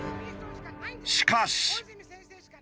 しかし。